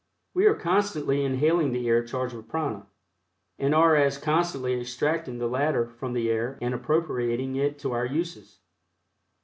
We are constantly inhaling the air charged with prana, and are as constantly extracting the latter from the air and appropriating it to our uses.